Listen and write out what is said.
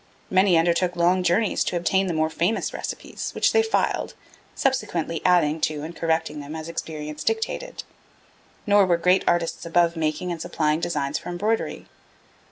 Many undertook long journeys to obtain the more famous recipes, which they filed, subsequently adding to and correcting them as experience dictated. Nor were great artists above making and supplying designs for embroidery.